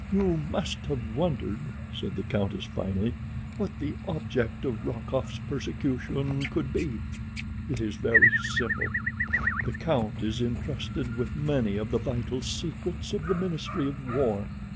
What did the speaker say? "You must have wondered," said the countess finally, "what the object of Rokoff's persecution could be. It is very simple. The count is intrusted with many of the vital secrets of the ministry of war.